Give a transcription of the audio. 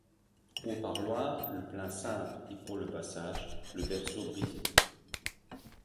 Au parloir, le plein cintre et pour le passage, le berceau brisé.